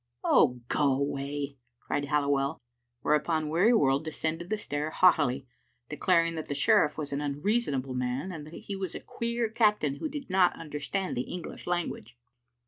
"Oh, go away," cried Halliwell; whereupon Weary world descended the stair haughtily, declaring that the sheriff was an unreasonable man, and that he was a queer captain who did not understand the English language.